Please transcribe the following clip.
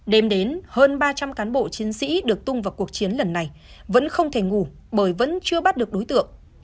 đêm đến hơn ba trăm linh cán bộ chiến sĩ được tung vào cuộc chiến lần này vẫn không thể ngủ bởi vẫn chưa bắt được đối tượng